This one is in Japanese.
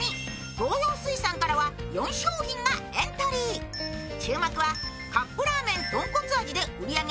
東洋水産からは４商品がエントリー注目は、カップラーメンとんこつ味で売り上げ